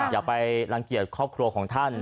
อย่าไปรังเกียจครอบครัวของท่าน